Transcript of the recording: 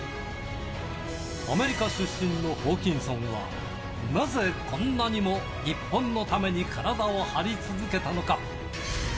アメリカ出身のホーキンソンは、なぜこんなにも日本のために体を張り続けたのか。